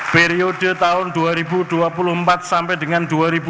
periode tahun dua ribu dua puluh empat sampai dengan dua ribu dua puluh